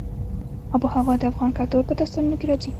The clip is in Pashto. آب وهوا د افغان کلتور په داستانونو کې راځي.